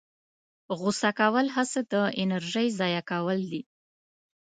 غوسه کول هسې د انرژۍ ضایع کول دي.